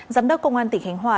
giám đốc công an tỉnh hành hòa